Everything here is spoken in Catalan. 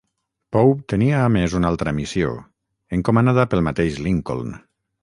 Pope tenia a més una altra missió, encomanada pel mateix Lincoln.